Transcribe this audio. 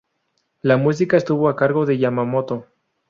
La musica estuvo a cargo de Yamamoto.